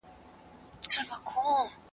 پوهه حاصل کړئ.